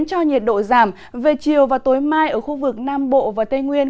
cho nhiệt độ giảm về chiều và tối mai ở khu vực nam bộ và tây nguyên